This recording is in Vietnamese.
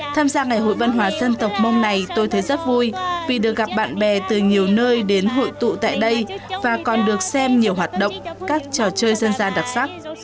tham gia ngày hội văn hóa dân tộc mông này tôi thấy rất vui vì được gặp bạn bè từ nhiều nơi đến hội tụ tại đây và còn được xem nhiều hoạt động các trò chơi dân gian đặc sắc